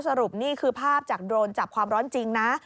สรุปนี่คือภาพจากโดรนจับความร้อนจริงนะ